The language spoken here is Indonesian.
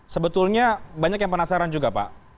sebetulnya banyak yang penasaran juga pak